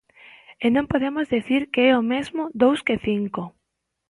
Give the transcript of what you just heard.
E non podemos dicir que é o mesmo dous que cinco.